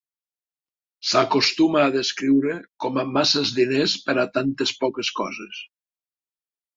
S'acostuma a descriure com a "masses diners per a tantes poques coses".